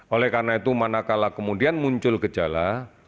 oleh karena itu manakala kemudian muncul gejala